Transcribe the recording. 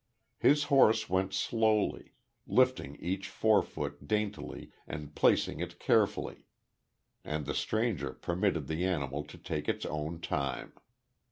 His horse went slowly, lifting each forefoot daintily and placing it carefully. And the stranger permitted the animal to take its own time.